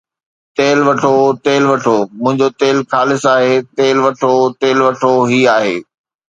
تيل وٺو، تيل وٺو، منهنجو تيل خالص آهي، تيل وٺو، تيل وٺو، هي آهي